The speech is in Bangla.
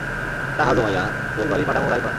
টাহা জোমাইয়া তোর বাড়ি পাডামু রায়বার।